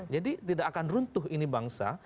jadi tidak akan runtuh ini bangsa